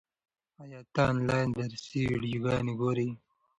ایا ته آنلاین درسي ویډیوګانې ګورې؟